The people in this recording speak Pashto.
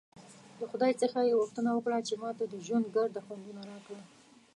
د خدای څخه ېې غوښتنه وکړه چې ماته د ژوند ګرده خوندونه راکړه!